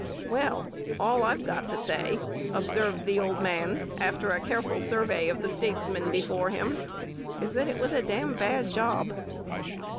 "Well, all I've got to say," observed the old man, after a careful survey of the statesman before him, "is, that it was a d n bad job."